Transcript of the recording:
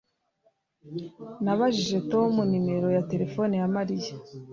Nabajije Tom nimero ya terefone ya Mariya